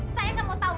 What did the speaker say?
saya gak mau tau